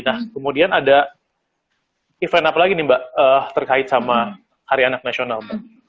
nah kemudian ada event apa lagi nih mbak terkait sama hari anak nasional mbak